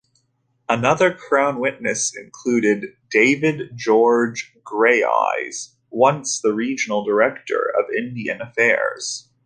Another crown witness included David George Greyeyes, once the regional director of Indian affairs.